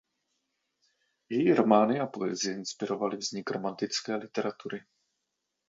Její romány a poezie inspirovaly vznik romantické literatury.